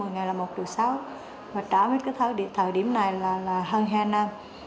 một mươi ngày là một triệu sáu và trả hết thời điểm này là hơn hai năm